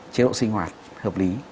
chế độ sinh hoạt hợp lý